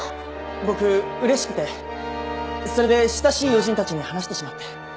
僕嬉しくてそれで親しい友人たちに話してしまって。